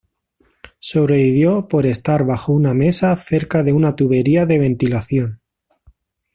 Sobrevivió por estar bajo una mesa cerca de una tubería de ventilación.